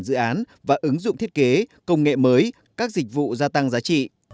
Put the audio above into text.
dự án và ứng dụng thiết kế công nghệ mới các dịch vụ gia tăng giá trị